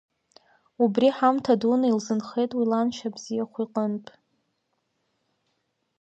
Убри ҳамҭа дуны илзынхеит уи ланшьа бзиахә иҟынтә.